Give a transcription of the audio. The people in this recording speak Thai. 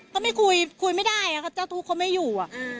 ก็ไม่คุยไม่ได้เจ้าทูเขาไม่อยู่